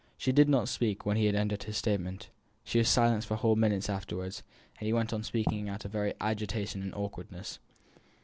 She did not speak when he had ended his statement. She was silent for whole minutes afterwards; he went on speaking out of very agitation and awkwardness.